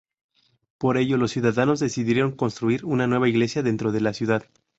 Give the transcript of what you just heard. Por ello los ciudadanos decidieron construir una nueva iglesia dentro de la ciudad.